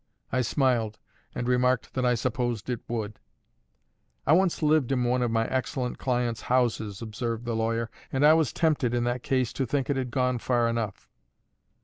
I smiled, and remarked that I supposed it would. "I once lived in one of my excellent client's houses," observed the lawyer; "and I was tempted, in that case, to think it had gone far enough."